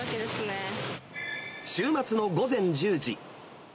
週末の午前１０時。